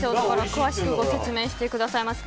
詳しくご説明してくださいます。